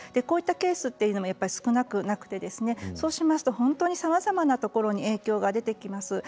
こういうケースも少なくなく本当にさまざまなところで影響が出てきます。